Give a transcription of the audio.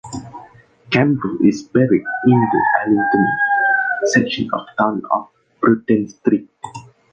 Campbell is buried in the Allingtown section of town off Prudden Street.